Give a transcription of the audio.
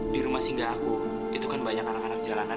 di rumah singgah aku itu kan banyak anak anak jalanan